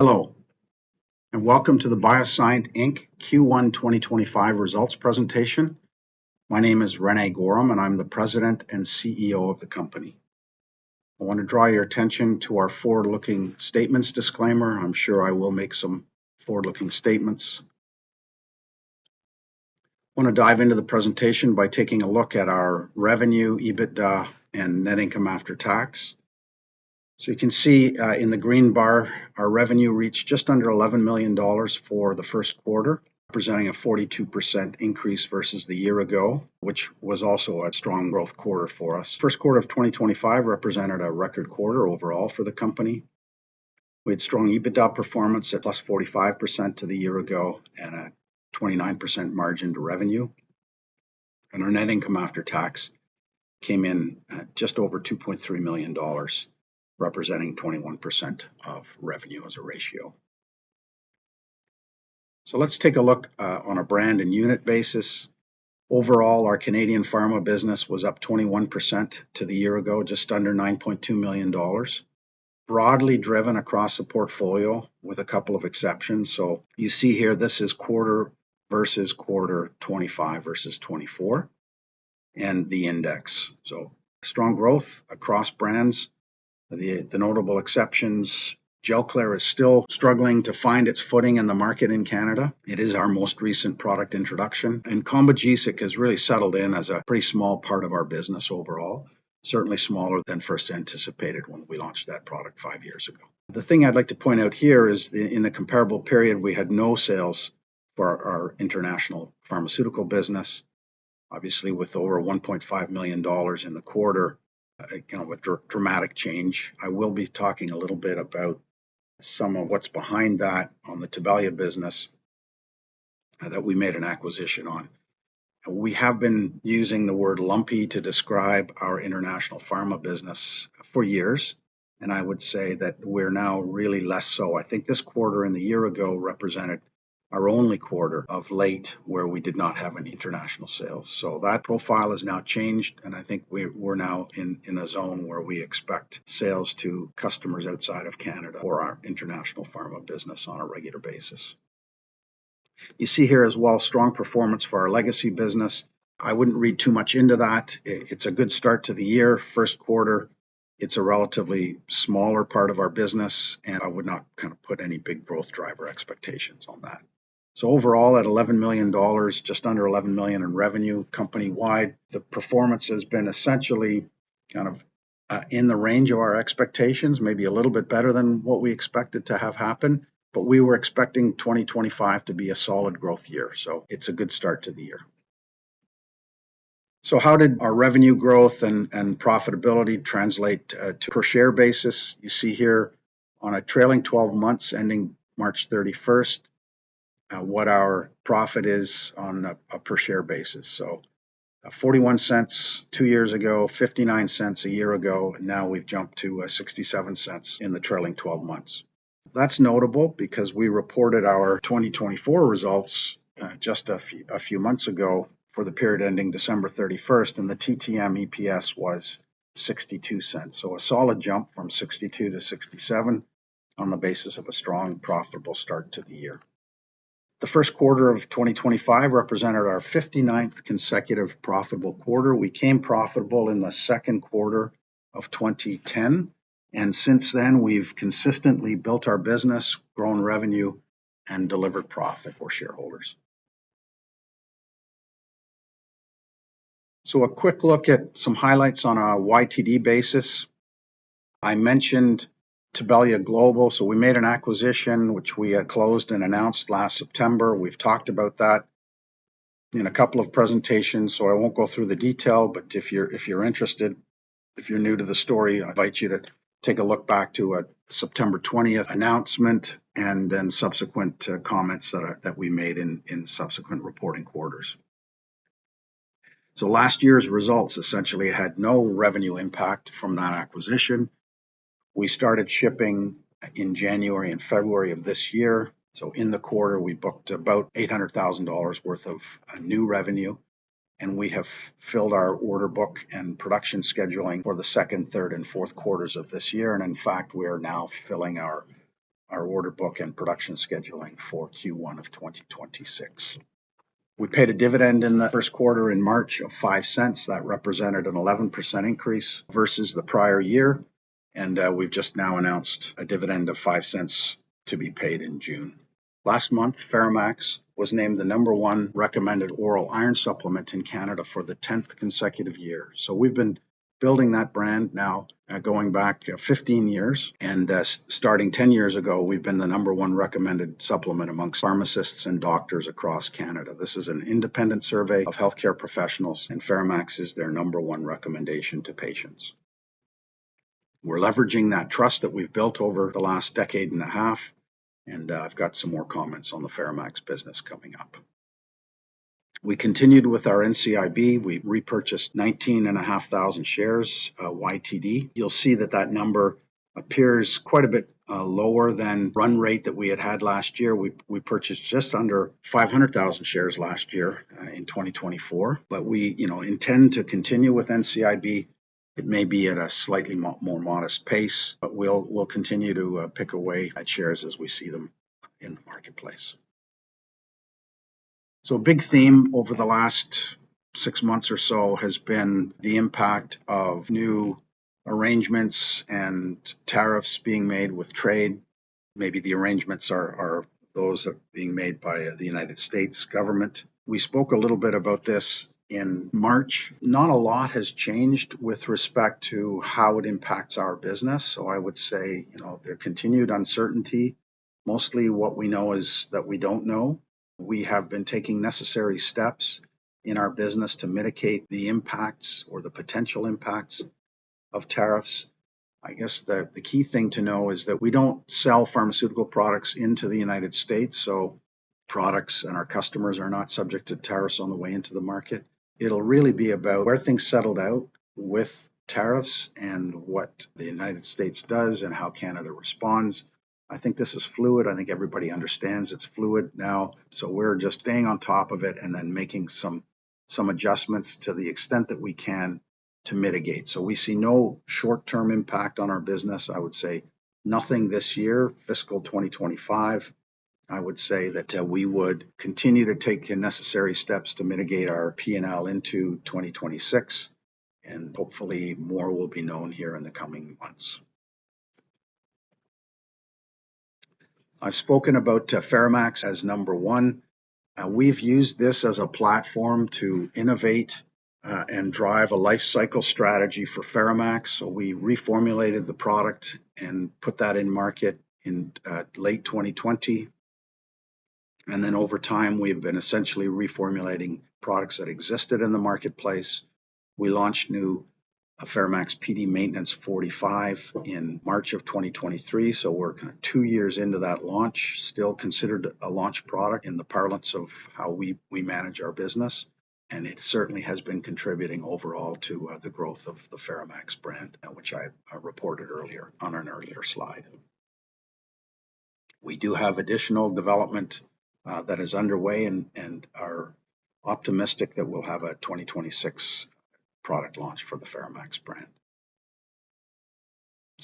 My name is René Goehrum, and I'm the President and CEO of the company. I want to draw your attention to our forward-looking statements disclaimer. I'm sure I will make some forward-looking statements. I want to dive into the presentation by taking a look at our revenue, EBITDA, and net income after tax. You can see in the green bar, our revenue reached just under 11 million dollars for the first quarter, representing a 42% increase versus the year ago, which was also a strong growth quarter for us. The first quarter of 2025 represented a record quarter overall for the company. We had strong EBITDA performance at plus 45% to the year ago and a 29% margin to revenue. Our net income after tax came in at just over 2.3 million dollars, representing 21% of revenue as a ratio. Let's take a look on a brand and unit basis. Overall, our Canadian pharma business was up 21% to the year ago, just under 9.2 million dollars, broadly driven across the portfolio with a couple of exceptions. You see here, this is quarter versus quarter 2025 versus 2024, and the index. Strong growth across brands. The notable exceptions: Gelclair is still struggling to find its footing in the market in Canada. It is our most recent product introduction. Combogesic has really settled in as a pretty small part of our business overall, certainly smaller than first anticipated when we launched that product five years ago. The thing I'd like to point out here is in the comparable period, we had no sales for our international pharmaceutical business, obviously with over 1.5 million dollars in the quarter, kind of a dramatic change. I will be talking a little bit about some of what's behind that on the Tibelia business that we made an acquisition on. We have been using the word "lumpy" to describe our international pharma business for years, and I would say that we're now really less so. I think this quarter and the year ago represented our only quarter of late where we did not have any international sales. That profile has now changed, and I think we're now in a zone where we expect sales to customers outside of Canada for our international pharma business on a regular basis. You see here as well, strong performance for our legacy business. I wouldn't read too much into that. It's a good start to the year. First quarter, it's a relatively smaller part of our business, and I would not kind of put any big growth driver expectations on that. Overall, at 11 million dollars, just under 11 million in revenue company-wide, the performance has been essentially kind of in the range of our expectations, maybe a little bit better than what we expected to have happen, but we were expecting 2025 to be a solid growth year. It's a good start to the year. How did our revenue growth and profitability translate to per-share basis? You see here on a trailing 12 months ending March 31 what our profit is on a per-share basis. 0.41 two years ago, 0.59 a year ago, and now we've jumped to 0.67 in the trailing 12 months. That's notable because we reported our 2024 results just a few months ago for the period ending December 31, and the TTM EPS was 0.62, so a solid jump from 0.62 to 0.67 on the basis of a strong, profitable start to the year. The first quarter of 2025 represented our 59th consecutive profitable quarter. We became profitable in the second quarter of 2010, and since then, we've consistently built our business, grown revenue, and delivered profit for shareholders. A quick look at some highlights on a YTD basis. I mentioned Tibelia Global. We made an acquisition, which we closed and announced last September. We've talked about that in a couple of presentations, so I won't go through the detail, but if you're interested, if you're new to the story, I invite you to take a look back to a September 20th announcement and then subsequent comments that we made in subsequent reporting quarters. Last year's results essentially had no revenue impact from that acquisition. We started shipping in January and February of this year. In the quarter, we booked about 800,000 dollars worth of new revenue, and we have filled our order book and production scheduling for the second, third, and fourth quarters of this year. In fact, we are now filling our order book and production scheduling for Q1 of 2026. We paid a dividend in the first quarter in March of 0.05. That represented an 11% increase versus the prior year, and we've just now announced a dividend of 0.05 to be paid in June. Last month, FeraMAX was named the number one recommended oral iron supplement in Canada for the 10th consecutive year. We've been building that brand now going back 15 years, and starting 10 years ago, we've been the number one recommended supplement amongst pharmacists and doctors across Canada. This is an independent survey of healthcare professionals, and FeraMAX is their number one recommendation to patients. We're leveraging that trust that we've built over the last decade and a half, and I've got some more comments on the FeraMAX business coming up. We continued with our NCIB. We repurchased 19,500 shares YTD. You'll see that that number appears quite a bit lower than the run rate that we had had last year. We purchased just under 500,000 shares last year in 2024, but we intend to continue with NCIB. It may be at a slightly more modest pace, but we'll continue to pick away at shares as we see them in the marketplace. A big theme over the last six months or so has been the impact of new arrangements and tariffs being made with trade. Maybe the arrangements are those being made by the U.S. government. We spoke a little bit about this in March. Not a lot has changed with respect to how it impacts our business. I would say there's continued uncertainty, mostly what we know is that we don't know. We have been taking necessary steps in our business to mitigate the impacts or the potential impacts of tariffs. I guess the key thing to know is that we don't sell pharmaceutical products into the U.S., so products and our customers are not subject to tariffs on the way into the market. It'll really be about where things settled out with tariffs and what the U.S. does and how Canada responds. I think this is fluid. I think everybody understands it's fluid now, so we're just staying on top of it and then making some adjustments to the extent that we can to mitigate. We see no short-term impact on our business. I would say nothing this year, fiscal 2025. I would say that we would continue to take necessary steps to mitigate our P&L into 2026, and hopefully more will be known here in the coming months. I've spoken about FeraMAX as number one. We've used this as a platform to innovate and drive a life cycle strategy for FeraMAX. We reformulated the product and put that in market in late 2020. Over time, we've been essentially reformulating products that existed in the marketplace. We launched new FeraMAX Pd Maintenance 45 in March of 2023, so we're kind of two years into that launch, still considered a launch product in the parlance of how we manage our business. It certainly has been contributing overall to the growth of the FeraMAX brand, which I reported earlier on an earlier slide. We do have additional development that is underway, and we're optimistic that we'll have a 2026 product launch for the FeraMAX brand.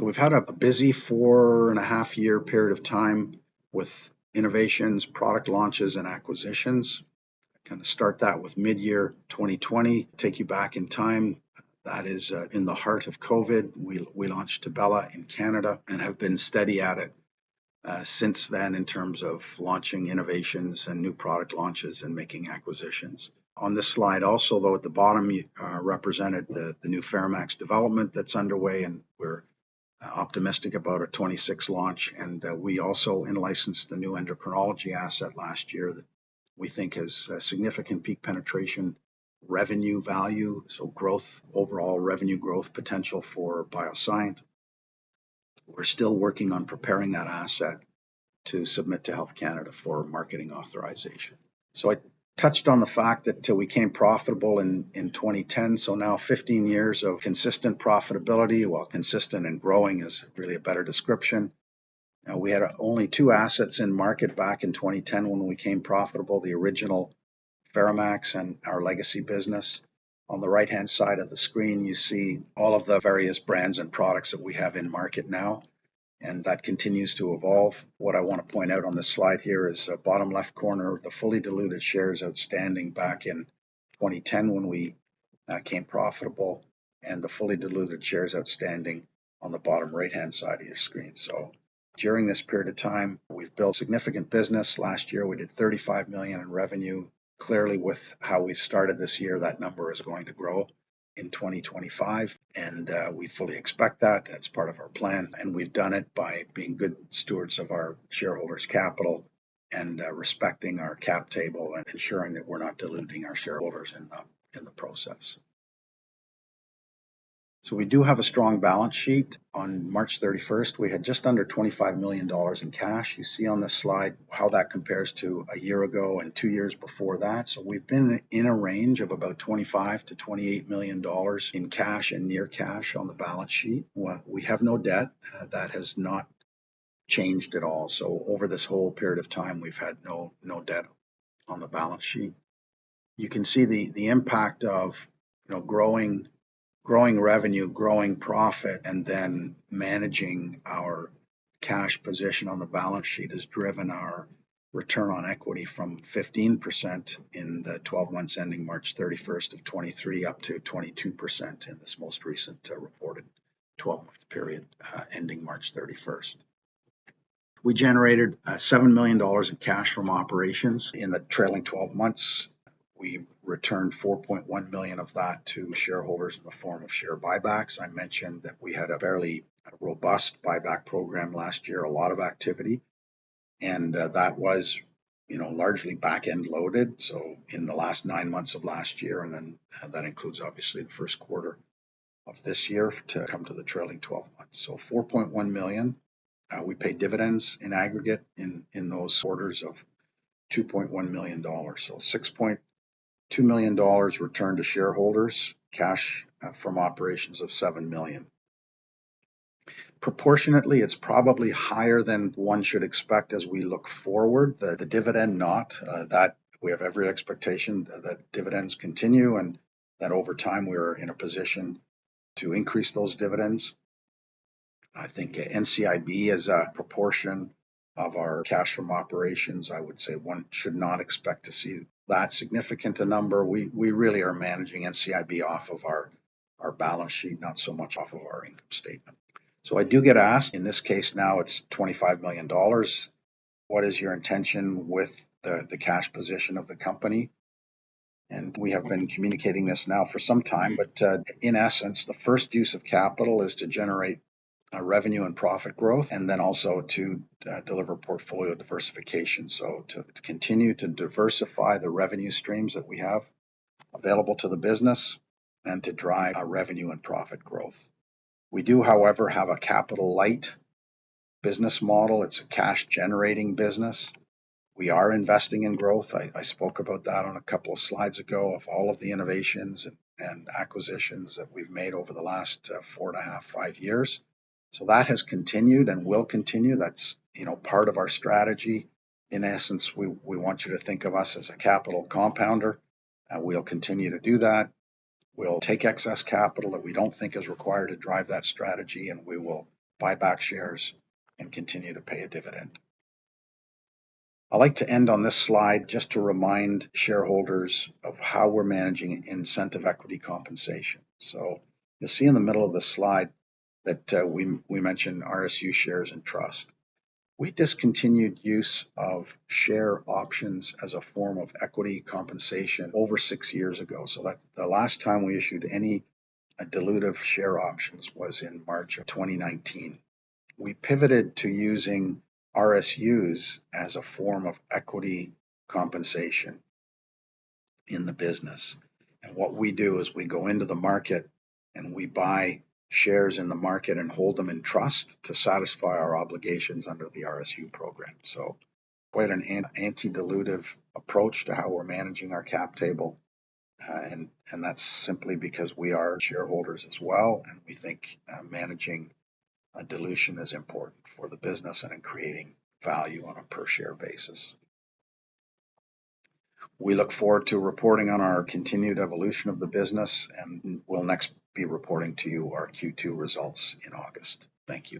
We've had a busy four-and-a-half-year period of time with innovations, product launches, and acquisitions. I kind of start that with mid-year 2020, take you back in time. That is in the heart of COVID. We launched Tibelia in Canada and have been steady at it since then in terms of launching innovations and new product launches and making acquisitions. On this slide also, though, at the bottom, we represented the new FeraMAX development that's underway, and we're optimistic about a 2026 launch. We also licensed the new endocrinology asset last year that we think has significant peak penetration revenue value, so growth, overall revenue growth potential for BioSyent. We're still working on preparing that asset to submit to Health Canada for marketing authorization. I touched on the fact that we became profitable in 2010, so now 15 years of consistent profitability. Consistent and growing is really a better description. We had only two assets in market back in 2010 when we became profitable, the original FeraMAX and our legacy business. On the right-hand side of the screen, you see all of the various brands and products that we have in market now, and that continues to evolve. What I want to point out on this slide here is the bottom left corner, the fully diluted shares outstanding back in 2010 when we came profitable, and the fully diluted shares outstanding on the bottom right-hand side of your screen. During this period of time, we've built significant business. Last year, we did 35 million in revenue. Clearly, with how we've started this year, that number is going to grow in 2025, and we fully expect that. That's part of our plan, and we've done it by being good stewards of our shareholders' capital and respecting our cap table and ensuring that we're not diluting our shareholders in the process. We do have a strong balance sheet. On March 31, we had just under 25 million dollars in cash. You see on this slide how that compares to a year ago and two years before that. We have been in a range of about 25 million to 28 million dollars in cash and near cash on the balance sheet. We have no debt. That has not changed at all. Over this whole period of time, we have had no debt on the balance sheet. You can see the impact of growing revenue, growing profit, and then managing our cash position on the balance sheet has driven our return on equity from 15% in the 12 months ending March 31, 2023 up to 22% in this most recent reported 12-month period ending March 31. We generated 7 million dollars in cash from operations in the trailing 12 months. We returned 4.1 million of that to shareholders in the form of share buybacks. I mentioned that we had a fairly robust buyback program last year, a lot of activity, and that was largely back-end loaded. In the last nine months of last year, and that includes obviously the first quarter of this year to come to the trailing 12 months. 4.1 million. We paid dividends in aggregate in those quarters of 2.1 million dollars. 6.2 million dollars returned to shareholders, cash from operations of 7 million. Proportionately, it's probably higher than one should expect as we look forward. The dividend, not that we have every expectation that dividends continue and that over time we're in a position to increase those dividends. I think NCIB as a proportion of our cash from operations, I would say one should not expect to see that significant a number. We really are managing NCIB off of our balance sheet, not so much off of our income statement. I do get asked in this case now, it's 25 million dollars. What is your intention with the cash position of the company? We have been communicating this now for some time, but in essence, the first use of capital is to generate revenue and profit growth and then also to deliver portfolio diversification. To continue to diversify the revenue streams that we have available to the business and to drive revenue and profit growth. We do, however, have a capital-light business model. It's a cash-generating business. We are investing in growth. I spoke about that on a couple of slides ago of all of the innovations and acquisitions that we've made over the last four and a half, five years. That has continued and will continue. That's part of our strategy. In essence, we want you to think of us as a capital compounder, and we'll continue to do that. We'll take excess capital that we don't think is required to drive that strategy, and we will buy back shares and continue to pay a dividend. I'd like to end on this slide just to remind shareholders of how we're managing incentive equity compensation. You'll see in the middle of the slide that we mentioned RSU shares and trust. We discontinued use of share options as a form of equity compensation over six years ago. The last time we issued any dilutive share options was in March of 2019. We pivoted to using RSUs as a form of equity compensation in the business. What we do is we go into the market and we buy shares in the market and hold them in trust to satisfy our obligations under the RSU program. Quite an anti-dilutive approach to how we're managing our cap table, and that's simply because we are shareholders as well, and we think managing dilution is important for the business and creating value on a per-share basis. We look forward to reporting on our continued evolution of the business, and we'll next be reporting to you our Q2 results in August. Thank you.